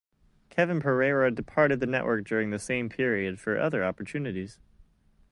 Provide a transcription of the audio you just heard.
Kevin Pereira departed the network during the same period for other opportunities.